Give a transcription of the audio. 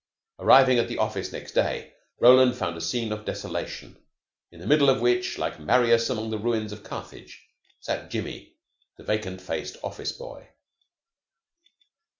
Arriving at the office next day, Roland found a scene of desolation, in the middle of which, like Marius among the ruins of Carthage, sat Jimmy, the vacant faced office boy.